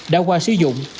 đã qua sử dụng